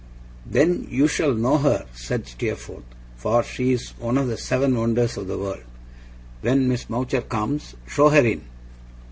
'Then you shall know her,' said Steerforth, 'for she is one of the seven wonders of the world. When Miss Mowcher comes, show her in.